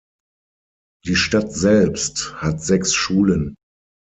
Die Stadt selbst hat sechs Schulen.